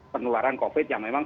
penularan covid yang memang